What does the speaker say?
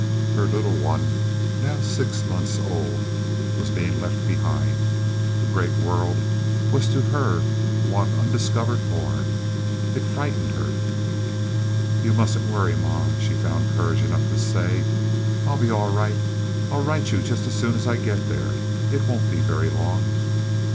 Her little one, now six months old, was being left behind. The great world was to her one undiscovered bourne. It frightened her. "You mustn't worry, Ma," she found courage enough to say. "I'll be all right. I'll write you just as soon as I get there. It won't be so very long."